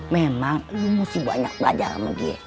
memang lu mesti banyak belajar sama dia